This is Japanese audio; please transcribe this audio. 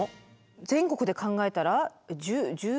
全国で考えたら１０。